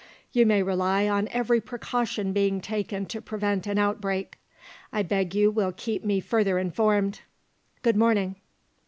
You may rely on every precaution being taken to prevent an outbreak. I beg you will keep me further informed. Good morning."